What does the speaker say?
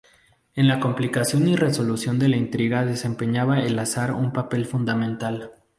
En la complicación y resolución de la intriga desempeña el azar un papel fundamental.